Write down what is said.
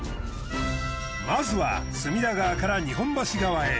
まずは隅田川から日本橋川へ。